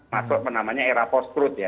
masuk namanya era post truth ya